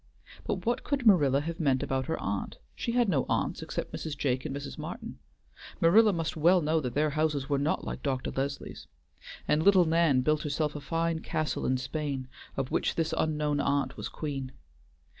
But what could Marilla have meant about her aunt? She had no aunts except Mrs. Jake and Mrs. Martin; Marilla must well know that their houses were not like Dr. Leslie's; and little Nan built herself a fine castle in Spain, of which this unknown aunt was queen.